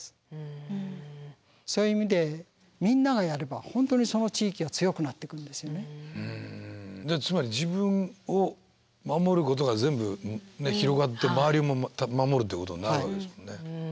そういう意味でじゃつまり自分を守ることが全部広がって周りも守るってことになるわけですもんね。